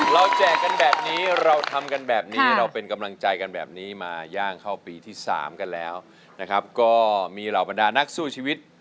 แจกกันแบบนี้เราทำกันแบบนี้เราเป็นกำลังใจกันแบบนี้มาย่างเข้าปีที่๓กันแล้วนะครับก็มีเหล่าบรรดานักสู้ชีวิต